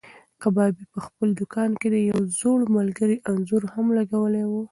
کبابي په خپل دوکان کې د یو زوړ ملګري انځور هم لګولی و.